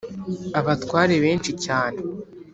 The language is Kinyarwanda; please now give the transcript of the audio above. abatware benshi cyane